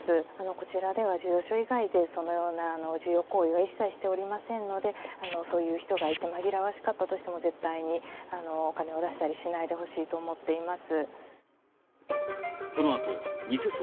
こちらでは授与所以外でそのような授与行為は一切しておりませんので、そういう人がいて、紛らわしかったとしても、絶対にお金を出したりしないでほしいと思っています。